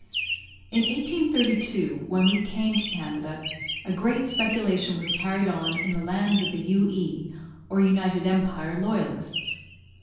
In 1832, when we came to Canada, a great speculation was carried on in the lands of the U.E. (or United Empire) Loyalists.